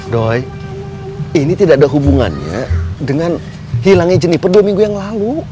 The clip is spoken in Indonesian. doy ini tidak ada hubungannya dengan hilangnya jeniper dua minggu yang lalu